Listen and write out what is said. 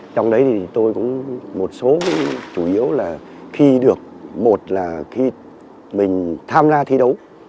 trong đấy thì tôi cũng một số chủ yếu là khi được một là khi mình tham gia thi đấu